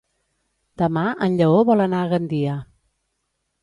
Demà en Lleó vol anar a Gandia.